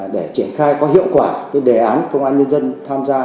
để triển khai có hiệu quả đề án công an nhân dân tham gia